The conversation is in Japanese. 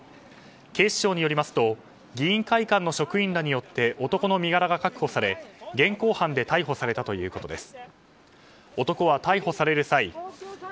警視庁によりますと議員会館の職員らによって男の身柄が確保され、現行犯で逮捕されたということです。